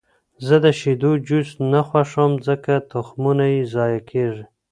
زه د شیدو جوس نه خوښوم، ځکه تخمونه یې ضایع کېږي.